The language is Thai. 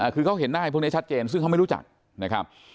คือเขาเห็นหน้าพวกนี้ชัดเจนซึ่งเขาไม่รู้จักนะครับ